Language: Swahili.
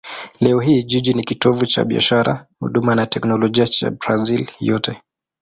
Leo hii jiji ni kitovu cha biashara, huduma na teknolojia cha Brazil yote.